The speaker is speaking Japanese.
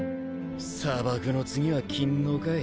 佐幕の次は勤王かい。